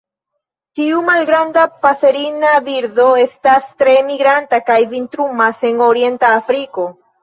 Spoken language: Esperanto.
Tiu malgranda paserina birdo estas tre migranta kaj vintrumas en orienta Afriko.